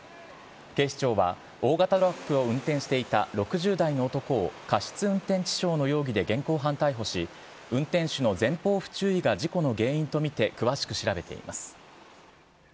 警視庁は、大型トラックを運転していた６０代の男を過失運転致傷の容疑で現行犯逮捕し、運転手の前方不注意が事故の原因と見て詳しく調べています。